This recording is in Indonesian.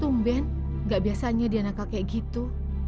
tumben gak biasanya di anak kakek gitu